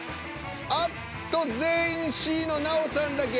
あっと全員Ｃの奈緒さんだけＡ。